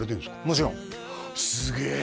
もちろんすげえ！